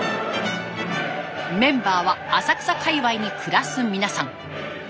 メンバーは浅草界わいに暮らす皆さん。